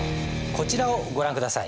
こちらをご覧下さい。